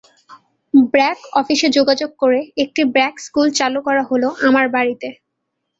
ব্র্যাক অফিসে যোগাযোগ করে একটি ব্র্যাক স্কুল চালু করা হলো আমার বাড়িতে।